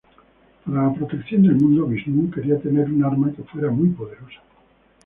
Para la protección del mundo, Visnú quería tener un arma que fuera muy poderosa.